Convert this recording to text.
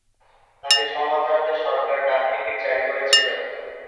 তাঁকে সম্মান জানাতে সরকার ডাকটিকিট জারি করেছিল।